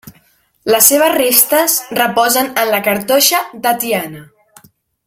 Les seves restes reposen en la Cartoixa de Tiana.